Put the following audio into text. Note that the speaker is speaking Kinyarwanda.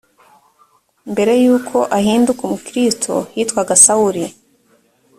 mbere y uko ahinduka umukristo yitwaga sawuli